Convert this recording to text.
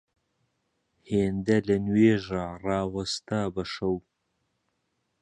هێندە لە نوێژا ڕاوەستا بە شەو